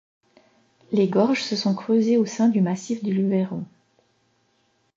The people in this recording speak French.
Les gorges se sont creusées au sein du massif du Luberon.